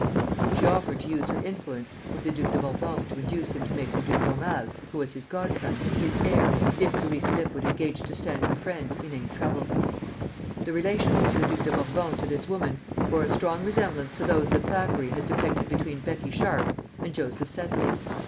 She offered to use her influence with the Duke of Bourbon to induce him to make the Duc d'Aumale, who was his godson, his heir, if Louis Philippe would engage to stand her friend in any trouble. [Footnote 1: Louis Blanc.] The relations of the Duc de Bourbon to this woman bore a strong resemblance to those that Thackeray has depicted between Becky Sharp and Jos Sedley.